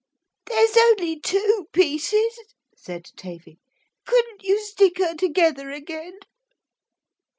'There's only two pieces,' said Tavy. 'Couldn't you stick her together again?'